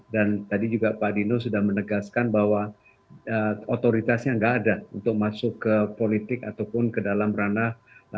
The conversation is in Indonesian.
dan tadi juga pak dino sudah menegaskan bahwa otoritasnya tidak ada untuk masuk ke politik ataupun ke dalam ranah